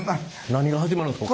何が始まるんですか？